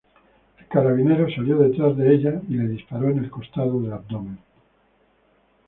El carabinero salió detrás de ella y le disparó en el costado del abdomen.